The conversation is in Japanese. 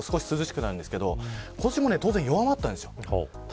弱まると涼しくなるんですけど今年も当然弱まったんです。